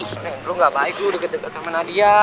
ish men lo gak baik lo deket deket sama nadia